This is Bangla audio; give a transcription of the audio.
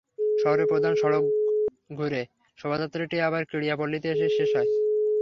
শহরের প্রধান প্রধান সড়ক ঘুরে শোভাযাত্রাটি আবার ক্রীড়াপল্লিতে এসে শেষ হয়।